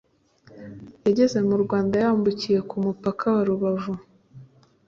yageze mu Rwanda yambukiye ku mupaka wa Rubavu